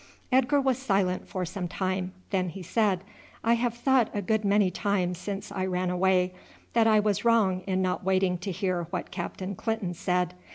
Edgar was silent for some time, then he said, "I have thought a good many times since I ran away that I was wrong in not waiting to hear what Captain Clinton said.